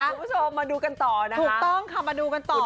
คุณผู้ชมมาดูกันต่อนะคะ